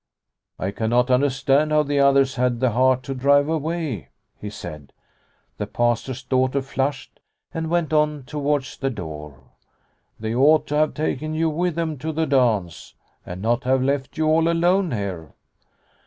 " I cannot understand how the others had the heart to drive away," he said. The Pastor's daughter flushed and went on towards the door. " They ought to have taken you with them to the dance, and not have left you all alone here."